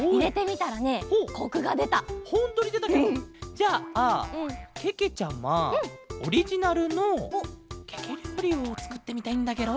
じゃあけけちゃまオリジナルのケケりょうりをつくってみたいんだケロ。